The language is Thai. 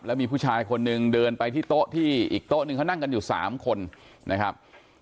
แล้วมีผู้ชายคนหนึ่งเดินไปที่โต๊ะที่อีกโต๊ะหนึ่งเขานั่งกันอยู่๓คนนะครับ